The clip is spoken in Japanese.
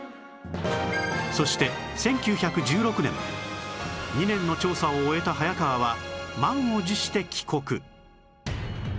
そして１９１６年２年の調査を終えた早川は満を持して帰国